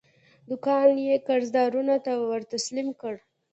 دوکان یې قرضدارانو ته ورتسلیم کړ.